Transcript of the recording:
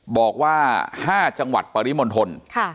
บอกว่า๕จังหวัดปริมณฑล